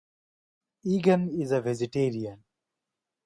Egan is a vegetarian.